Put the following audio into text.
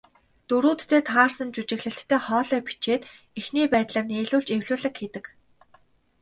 Дүрүүддээ таарсан жүжиглэлттэй хоолой бичээд, эхний байдлаар нийлүүлж эвлүүлэг хийдэг.